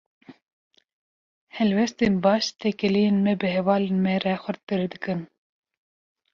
Helwestên baş, têkiliyên me bi hevalên me re xurttir dikin.